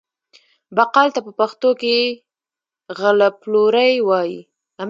بقال ته په پښتو کې غله پلوری وايي.